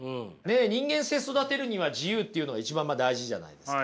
人間性育てるには自由っていうのが一番大事じゃないですか。